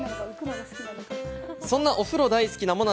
そんなお風呂大好きなもな